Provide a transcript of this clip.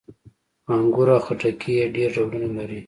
انګور او خټکي یې ډېر ډولونه لري.